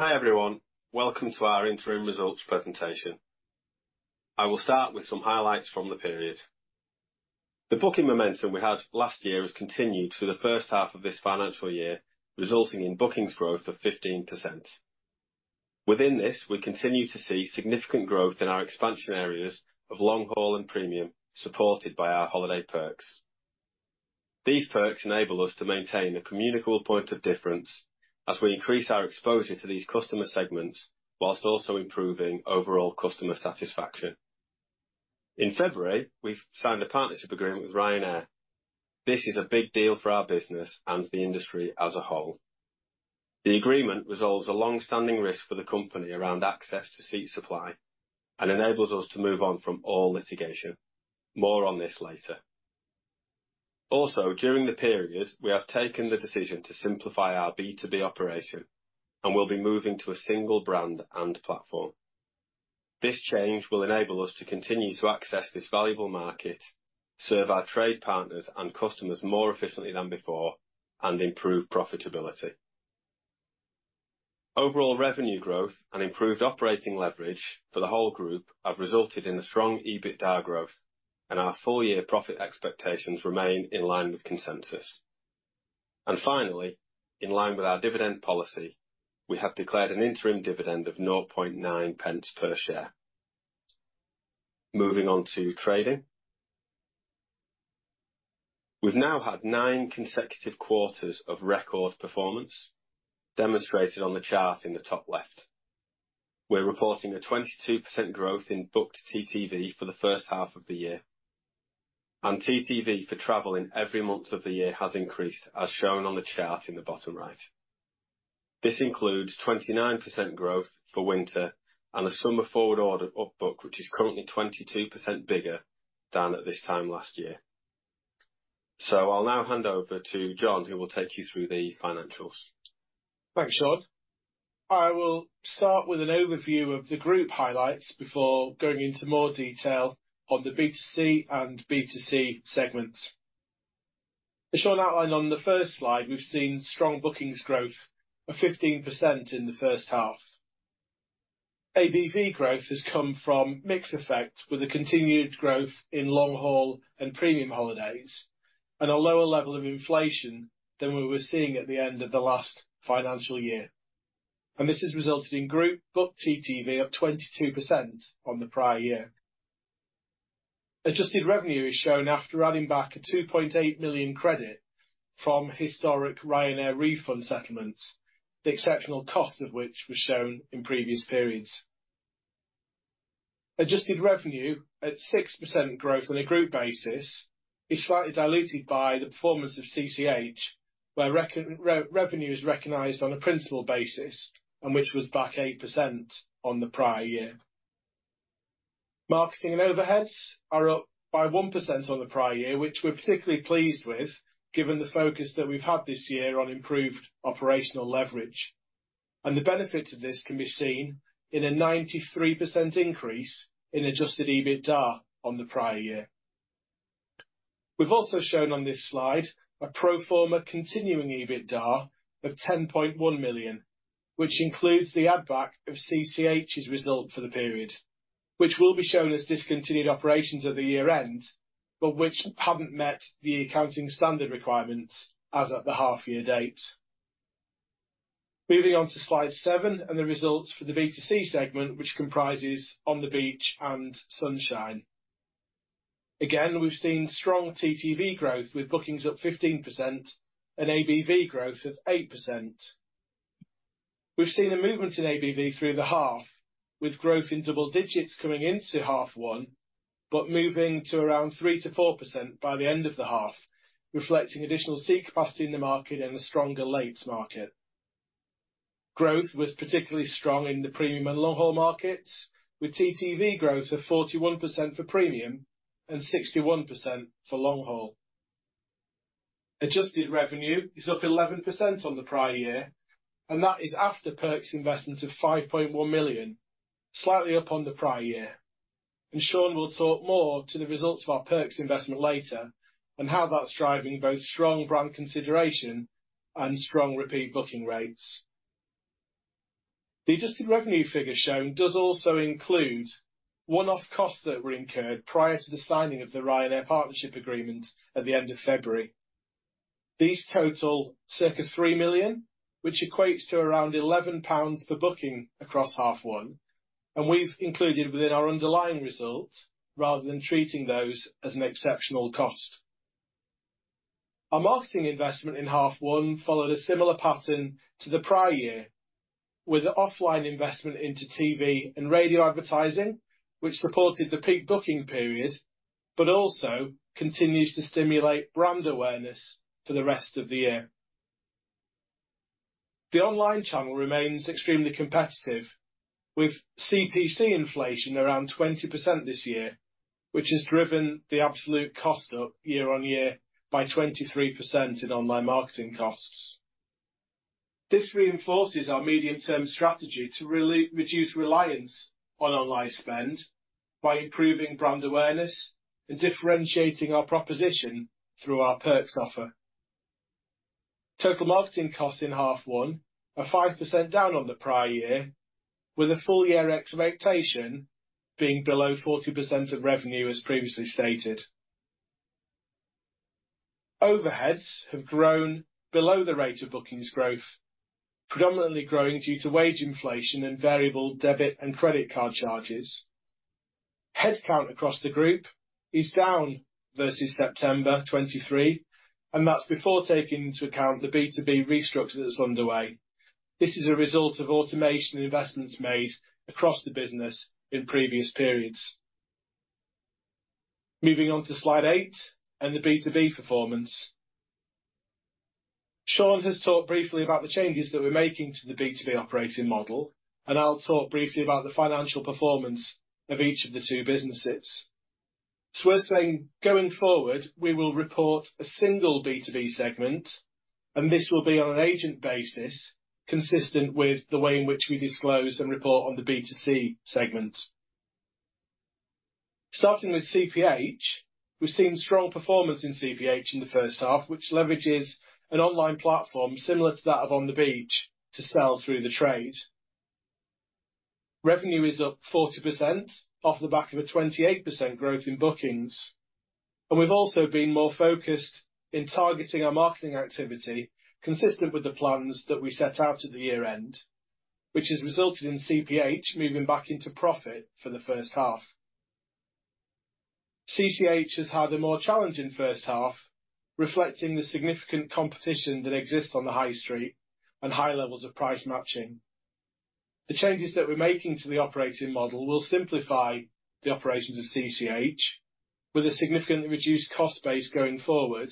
Hi everyone, welcome to our interim results presentation. I will start with some highlights from the period. The booking momentum we had last year has continued through the first half of this financial year, resulting in bookings growth of 15%. Within this, we continue to see significant growth in our expansion areas of long haul and premium, supported by our holiday perks. These perks enable us to maintain a communicable point of difference as we increase our exposure to these customer segments whilst also improving overall customer satisfaction. In February, we've signed a partnership agreement with Ryanair. This is a big deal for our business and the industry as a whole. The agreement resolves a long-standing risk for the company around access to seat supply and enables us to move on from all litigation. More on this later. Also, during the period, we have taken the decision to simplify our B2B operation and will be moving to a single brand and platform. This change will enable us to continue to access this valuable market, serve our trade partners and customers more efficiently than before, and improve profitability. Overall revenue growth and improved operating leverage for the whole group have resulted in a strong EBITDA growth, and our full-year profit expectations remain in line with consensus. Finally, in line with our dividend policy, we have declared an interim dividend of 0.9 pence per share. Moving on to trading. We've now had nine consecutive quarters of record performance, demonstrated on the chart in the top left. We're reporting a 22% growth in booked TTV for the first half of the year, and TTV for travel in every month of the year has increased, as shown on the chart in the bottom right. This includes 29% growth for winter and a summer forward order book, which is currently 22% bigger than at this time last year. I'll now hand over to Jon, who will take you through the financials. Thanks, Shaun. I will start with an overview of the group highlights before going into more detail on the B2C and B2B segments. As Shaun outlined on the first slide, we've seen strong bookings growth of 15% in the first half. ABV growth has come from mix effect with a continued growth in long haul and premium holidays and a lower level of inflation than we were seeing at the end of the last financial year. And this has resulted in group booked TTV up 22% on the prior year. Adjusted revenue is shown after adding back a 2.8 million credit from historic Ryanair refund settlements, the exceptional cost of which was shown in previous periods. Adjusted revenue at 6% growth on a group basis is slightly diluted by the performance of CCH, where revenue is recognized on a principal basis and which was back 8% on the prior year. Marketing and overheads are up by 1% on the prior year, which we're particularly pleased with given the focus that we've had this year on improved operational leverage. The benefits of this can be seen in a 93% increase in Adjusted EBITDA on the prior year. We've also shown on this slide a pro forma continuing EBITDA of 10.1 million, which includes the add-back of CCH's result for the period, which will be shown as discontinued operations at the year-end, but which haven't met the accounting standard requirements as at the half-year date. Moving on to slide 7 and the results for the B2C segment, which comprises On the Beach and Sunshine. Again, we've seen strong TTV growth with bookings up 15% and ABV growth of 8%. We've seen a movement in ABV through the half, with growth in double digits coming into H1 but moving to around 3%-4% by the end of the half, reflecting additional seat capacity in the market and a stronger lates market. Growth was particularly strong in the premium and long haul markets, with TTV growth of 41% for premium and 61% for long haul. Adjusted revenue is up 11% on the prior year, and that is after perks investment of 5.1 million, slightly up on the prior year. Shaun will talk more to the results of our perks investment later and how that's driving both strong brand consideration and strong repeat booking rates. The adjusted revenue figure shown does also include one-off costs that were incurred prior to the signing of the Ryanair partnership agreement at the end of February. These total circa 3 million, which equates to around 11 pounds per booking across H1, and we've included within our underlying result rather than treating those as an exceptional cost. Our marketing investment in H1 followed a similar pattern to the prior year, with an offline investment into TV and radio advertising, which supported the peak booking period but also continues to stimulate brand awareness for the rest of the year. The online channel remains extremely competitive, with CPC inflation around 20% this year, which has driven the absolute cost up YoY by 23% in online marketing costs. This reinforces our medium-term strategy to reduce reliance on online spend by improving brand awareness and differentiating our proposition through our perks offer. Total marketing costs in H1 are 5% down on the prior year, with a full-year expectation being below 40% of revenue, as previously stated. Overheads have grown below the rate of bookings growth, predominantly growing due to wage inflation and variable debit and credit card charges. Headcount across the group is down versus September 2023, and that's before taking into account the B2B restructure that's underway. This is a result of automation and investments made across the business in previous periods. Moving on to slide 8 and the B2B performance. Shaun has talked briefly about the changes that we're making to the B2B operating model, and I'll talk briefly about the financial performance of each of the two businesses. So we're saying going forward, we will report a single B2B segment, and this will be on an agent basis, consistent with the way in which we disclose and report on the B2C segment. Starting with CPH, we've seen strong performance in CPH in the first half, which leverages an online platform similar to that of On the Beach to sell through the trade. Revenue is up 40% off the back of a 28% growth in bookings. And we've also been more focused in targeting our marketing activity consistent with the plans that we set out at the year-end, which has resulted in CPH moving back into profit for the first half. CCH has had a more challenging first half, reflecting the significant competition that exists on the high street and high levels of price matching. The changes that we're making to the operating model will simplify the operations of CCH with a significantly reduced cost base going forward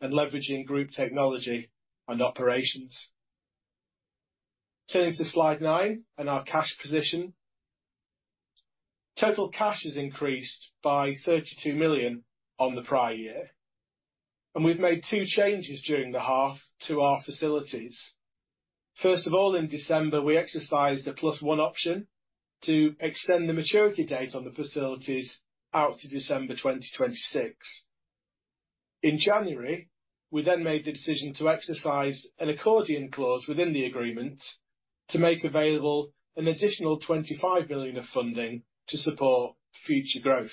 and leveraging group technology and operations. Turning to slide 9 and our cash position. Total cash has increased by 32 million on the prior year. We've made two changes during the half to our facilities. First of all, in December, we exercised a plus one option to extend the maturity date on the facilities out to December 2026. In January, we then made the decision to exercise an accordion clause within the agreement to make available an additional 25 million of funding to support future growth.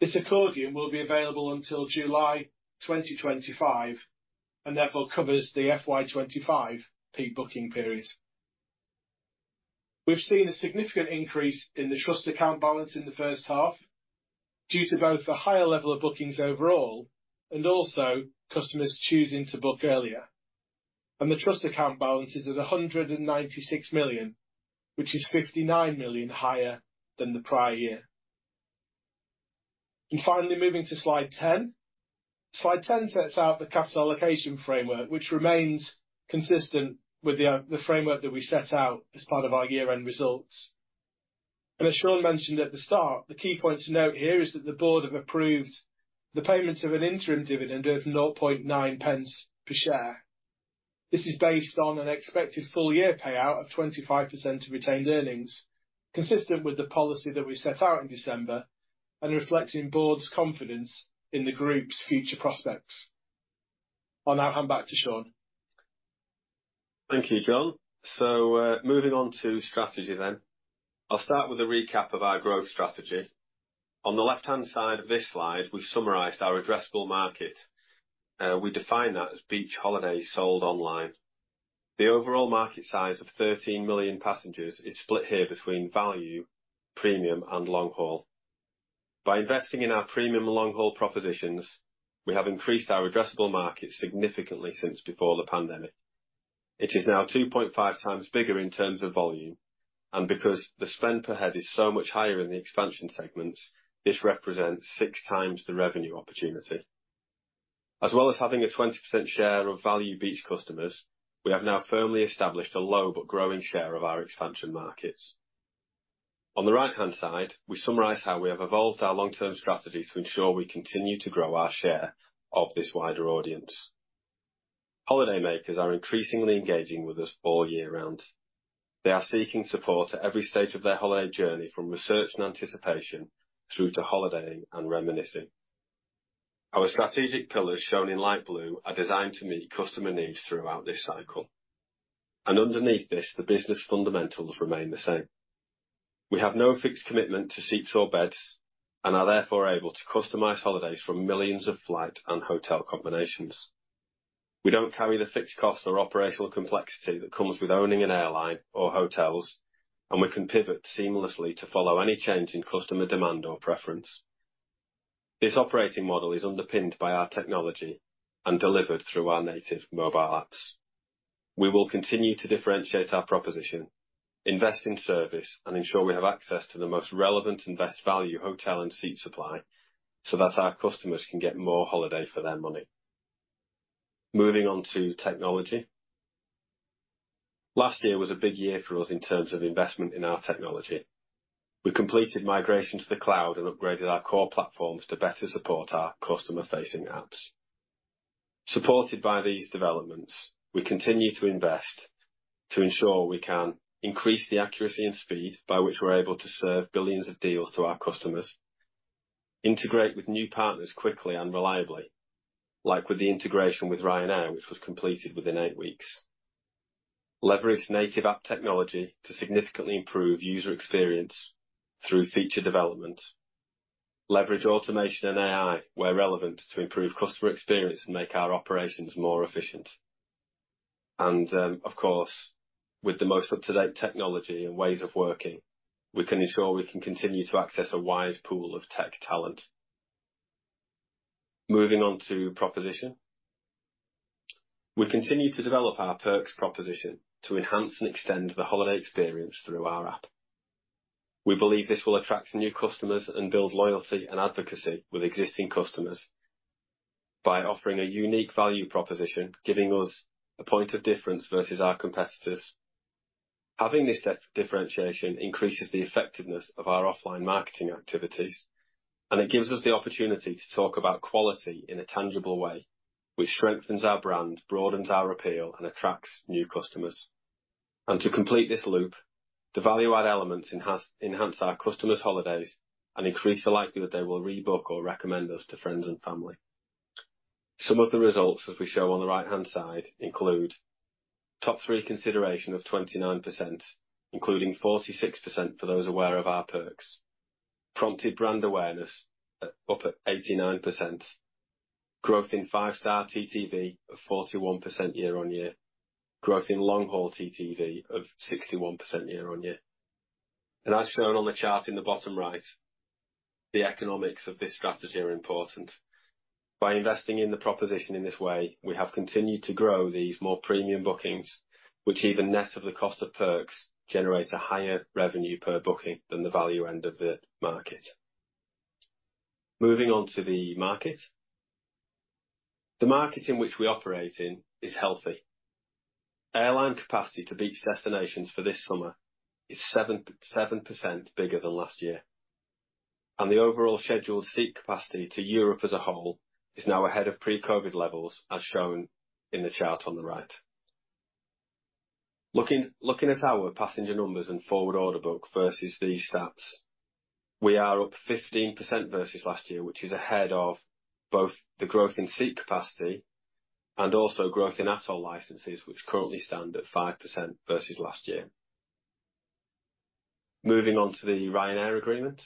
This accordion will be available until July 2025 and therefore covers the FY25 peak booking period. We've seen a significant increase in the trust account balance in the first half due to both a higher level of bookings overall and also customers choosing to book earlier. The trust account balance is at 196 million, which is 59 million higher than the prior year. Finally, moving to slide 10. Slide 10 sets out the capital allocation framework, which remains consistent with the framework that we set out as part of our year-end results. As Shaun mentioned at the start, the key point to note here is that the Board have approved the payment of an interim dividend of 0.009 per share. This is based on an expected full-year payout of 25% of retained earnings, consistent with the policy that we set out in December and reflecting Board's confidence in the group's future prospects. I'll now hand back to Shaun. Thank you, Jon. So moving on to strategy then. I'll start with a recap of our growth strategy. On the left-hand side of this slide, we've summarised our addressable market. We define that as beach holidays sold online. The overall market size of 13 million passengers is split here between value, premium, and long haul. By investing in our premium and long haul propositions, we have increased our addressable market significantly since before the pandemic. It is now 2.5 times bigger in terms of volume, and because the spend per head is so much higher in the expansion segments, this represents 6 times the revenue opportunity. As well as having a 20% share of value beach customers, we have now firmly established a low but growing share of our expansion markets. On the right-hand side, we summarize how we have evolved our long-term strategy to ensure we continue to grow our share of this wider audience. Holidaymakers are increasingly engaging with us all year round. They are seeking support at every stage of their holiday journey, from research and anticipation through to holidaying and reminiscing. Our strategic colors, shown in light blue, are designed to meet customer needs throughout this cycle. Underneath this, the business fundamentals remain the same. We have no fixed commitment to seats or beds and are therefore able to customize holidays from millions of flight and hotel combinations. We don't carry the fixed costs or operational complexity that comes with owning an airline or hotels, and we can pivot seamlessly to follow any change in customer demand or preference. This operating model is underpinned by our technology and delivered through our native mobile apps. We will continue to differentiate our proposition, invest in service, and ensure we have access to the most relevant and best value hotel and seat supply so that our customers can get more holiday for their money. Moving on to technology. Last year was a big year for us in terms of investment in our technology. We completed migration to the cloud and upgraded our core platforms to better support our customer-facing apps. Supported by these developments, we continue to invest to ensure we can increase the accuracy and speed by which we're able to serve billions of deals to our customers, integrate with new partners quickly and reliably, like with the integration with Ryanair, which was completed within 8 weeks, leverage native app technology to significantly improve user experience through feature development, leverage automation and AI where relevant to improve customer experience and make our operations more efficient. Of course, with the most up-to-date technology and ways of working, we can ensure we can continue to access a wide pool of tech talent. Moving on to proposition. We continue to develop our perks proposition to enhance and extend the holiday experience through our app. We believe this will attract new customers and build loyalty and advocacy with existing customers by offering a unique value proposition, giving us a point of difference versus our competitors. Having this differentiation increases the effectiveness of our offline marketing activities, and it gives us the opportunity to talk about quality in a tangible way, which strengthens our brand, broadens our appeal, and attracts new customers. To complete this loop, the value-add elements enhance our customers' holidays and increase the likelihood they will rebook or recommend us to friends and family. Some of the results, as we show on the right-hand side, include top 3 consideration of 29%, including 46% for those aware of our perks, prompted brand awareness up at 89%, growth in 5-star TTV of 41% YoY, growth in long haul TTV of 61% YoY. As shown on the chart in the bottom right, the economics of this strategy are important. By investing in the proposition in this way, we have continued to grow these more premium bookings, which even net of the cost of perks generate a higher revenue per booking than the value end of the market. Moving on to the market. The market in which we operate in is healthy. Airline capacity to beach destinations for this summer is 7% bigger than last year. The overall scheduled seat capacity to Europe as a whole is now ahead of pre-COVID levels, as shown in the chart on the right. Looking at our passenger numbers and forward order book versus these stats, we are up 15% versus last year, which is ahead of both the growth in seat capacity and also growth in ATOL licences, which currently stand at 5% versus last year. Moving on to the Ryanair agreement.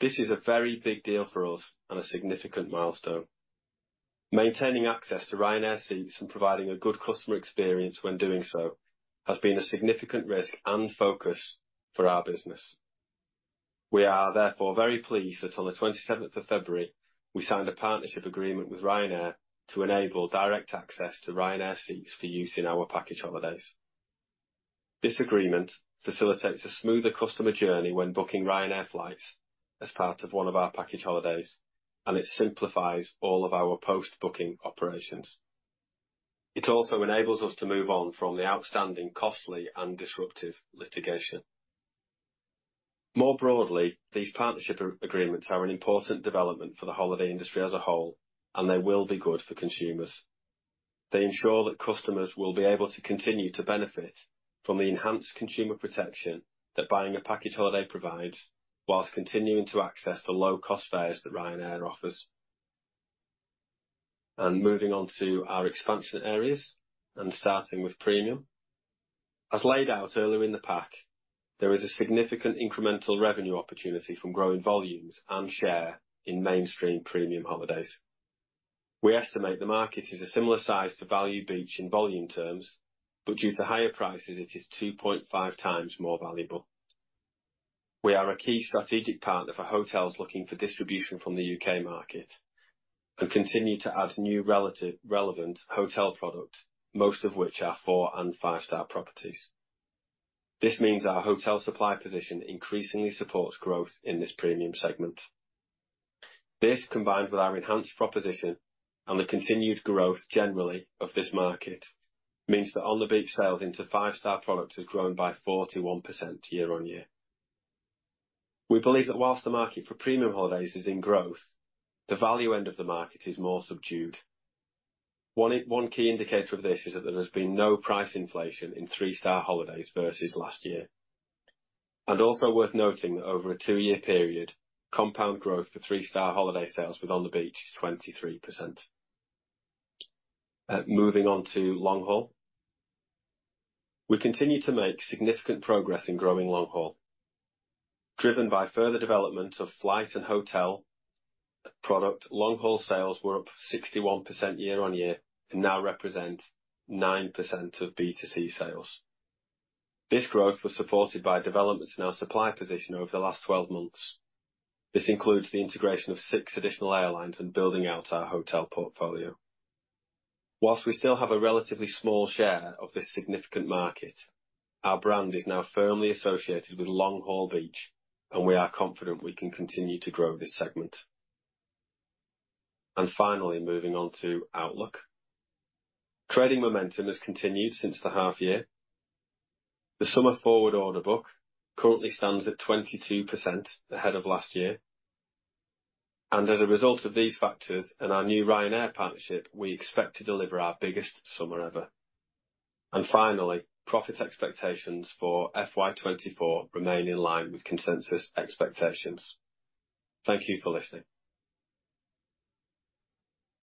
This is a very big deal for us and a significant milestone. Maintaining access to Ryanair seats and providing a good customer experience when doing so has been a significant risk and focus for our business. We are therefore very pleased that on the 27th of February, we signed a partnership agreement with Ryanair to enable direct access to Ryanair seats for use in our package holidays. This agreement facilitates a smoother customer journey when booking Ryanair flights as part of one of our package holidays, and it simplifies all of our post-booking operations. It also enables us to move on from the outstanding, costly, and disruptive litigation. More broadly, these partnership agreements are an important development for the holiday industry as a whole, and they will be good for consumers. They ensure that customers will be able to continue to benefit from the enhanced consumer protection that buying a package holiday provides while continuing to access the low-cost fares that Ryanair offers. Moving on to our expansion areas and starting with premium. As laid out earlier in the pack, there is a significant incremental revenue opportunity from growing volumes and share in mainstream premium holidays. We estimate the market is a similar size to value beach in volume terms, but due to higher prices, it is 2.5 times more valuable. We are a key strategic partner for hotels looking for distribution from the UK market and continue to add new relevant hotel products, most of which are 4- and 5-star properties. This means our hotel supply position increasingly supports growth in this premium segment. This, combined with our enhanced proposition and the continued growth generally of this market, means that On the Beach sales into 5-star products have grown by 41% YoY. We believe that whilst the market for premium holidays is in growth, the value end of the market is more subdued. One key indicator of this is that there has been no price inflation in 3-star holidays versus last year. Also worth noting that over a two-year period, compound growth for three-star holiday sales with On the Beach is 23%. Moving on to long haul. We continue to make significant progress in growing long haul. Driven by further development of flight and hotel product, long haul sales were up 61% YoY and now represent 9% of B2C sales. This growth was supported by developments in our supply position over the last 12 months. This includes the integration of six additional airlines and building out our hotel portfolio. While we still have a relatively small share of this significant market, our brand is now firmly associated with long haul beach, and we are confident we can continue to grow this segment. Finally, moving on to outlook. Trading momentum has continued since the half year. The summer forward order book currently stands at 22% ahead of last year. As a result of these factors and our new Ryanair partnership, we expect to deliver our biggest summer ever. Finally, profit expectations for FY 2024 remain in line with consensus expectations. Thank you for listening.